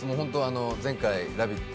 前回、「ラヴィット！」